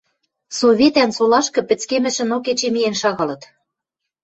Советӓн солашкы пӹцкемӹшӹнок эче миэн шагалыт.